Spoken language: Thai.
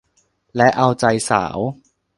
และเอาใจสาว